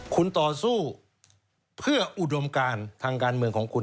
คุณต่อสู้เพื่ออุดมการทางการเมืองของคุณ